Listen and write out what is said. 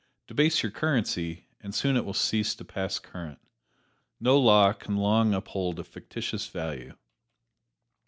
Debase your currency, and soon it will cease to pass current. No law can long uphold a fictitious value.